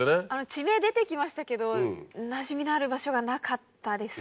知名出てきましたけどなじみのある場所がなかったです。